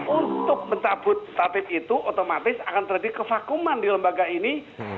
untuk mencabut tatip itu otomatis akan terjadi kevakuman di lembaga ini